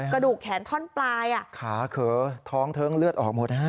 กระดูกแขนท่อนปลายอ่ะขาเขอท้องเทิงเลือดออกหมดฮะ